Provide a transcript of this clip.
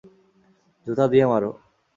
জুতা দিয়ে মারো।